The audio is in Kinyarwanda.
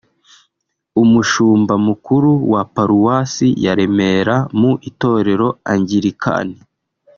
Umushumba mukuru wa Paruwasi ya Remera mu Itorero Angilikani